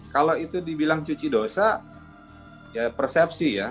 kalau itu dibilang cuci dosa ya persepsi ya